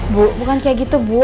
bu bukan kayak gitu bu